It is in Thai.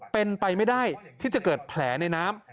เป็นไปไม่ได้ที่จะเกิดแผลในน้ำ